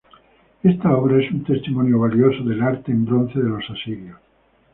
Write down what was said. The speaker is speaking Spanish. Esta obra es un testimonio valioso del arte en bronce de los asirios.